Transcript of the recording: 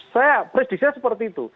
saya predisi seperti itu